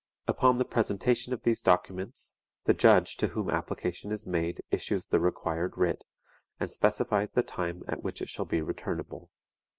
Upon the presentation of these documents, the judge to whom application is made issues the required writ, and specifies the time at which it shall be returnable.